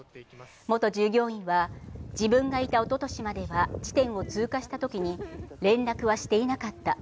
元従業員は、自分がいた一昨年までは地点を通過したときに連絡はしていなかった。